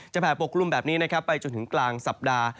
จะแผ่ปกลุ่มแบบนี้ไปจนถึงกลางสัปดาห์